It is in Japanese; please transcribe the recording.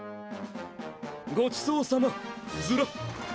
ごちそうさまズラ。